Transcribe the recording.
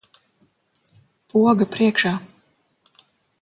Poga priekšā.